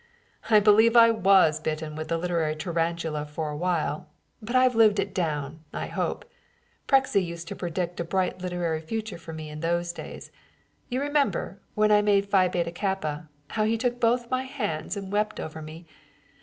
"I believe I was bitten with the literary tarantula for a while, but I've lived it down, I hope. Prexy used to predict a bright literary future for me in those days. You remember, when I made Phi Beta Kappa, how he took both my hands and wept over me.